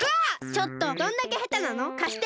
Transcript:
ちょっとどんだけへたなの！かして！